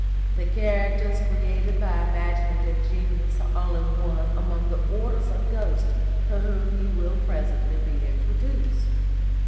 The characters created by imaginative genius are only one among the orders of ghosts to whom you will presently be introduced.